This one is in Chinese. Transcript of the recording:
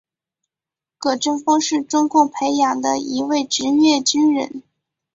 葛振峰是中共培养的一位职业军人。